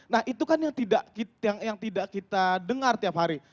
nah itu kan yang tidak kita dengar tiap hari